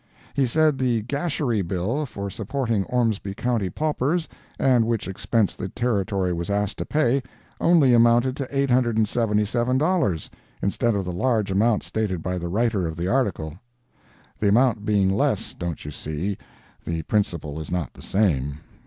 He said the Gasherie bill for supporting Ormsby county paupers, and which expense the Territory was asked to pay, only amounted to $877, instead of the large amount stated by the writer of the article! [The amount being less, don't you see, the principle is not the same.